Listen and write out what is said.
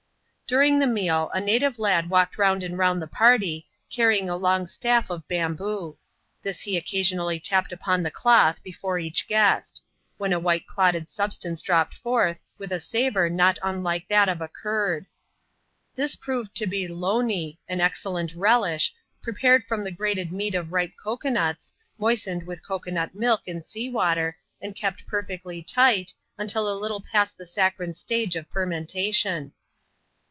During the meal, a native lad walked round and round the party, carrying a long staff of bamboo. This he occaaionally tapped upon the cloth before each guest ; when a white clotted substance dropped forth, with a savour not unlike that of a curd This proved to be " Lovmee," an excellent relish, prepared ifrom the grated meat of ripe cocoa nuts,, moistened with cocoa nut milk and salt water, and kept perfectly tight, until a little past the saccharine stage of fermentation.